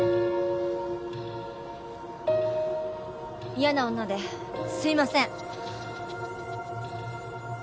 嫌な女ですいません。